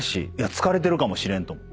疲れてるかもしれんと。